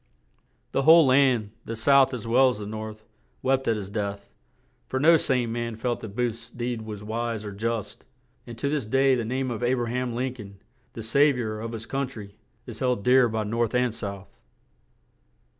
The whole land, the South as well as the North, wept at his death; for no sane man felt that Booth's deed was wise or just; and to this day the name of A bra ham Lin coln, the "Sav iour of his Coun try," is held dear by North and South.